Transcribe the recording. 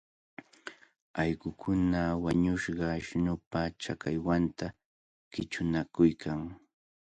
Allqukuna wañushqa ashnupa chakallwanta qichunakuykan.